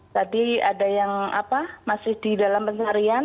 tadi ada yang masih di dalam pencarian